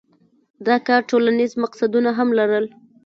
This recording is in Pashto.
دا کار ټولنیز مقصدونه هم لرل.